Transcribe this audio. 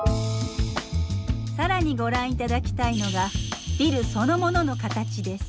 更にご覧頂きたいのがビルそのものの形です。